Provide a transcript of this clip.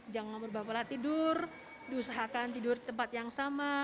jangan berubah tidur diusahakan tidur di tempat yang sama